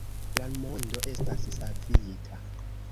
La mondo estas savita